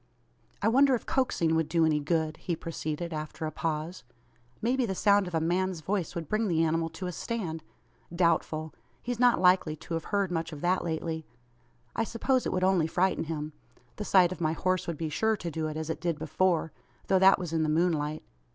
"I wonder if coaxing would do any good?" he proceeded, after a pause. "Maybe the sound of a man's voice would bring the animal to a stand? Doubtful. He's not likely to 've heard much of that lately. I suppose it would only frighten him! The sight of my horse would be sure to do it, as it did before; though that was in the moonlight.